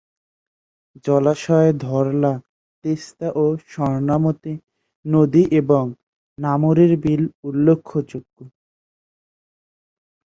জলাশয় ধরলা, তিস্তা ও স্বর্ণামতি নদী এবং নামুরীর বিল উল্লেখযোগ্য।